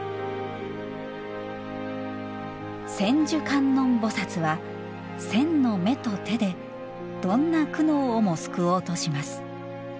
千手観音菩薩は、千の目と手でどんな苦悩をも救おうとします。